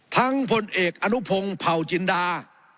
ทั้งพลเอกอนุพงศ์เผาจินตา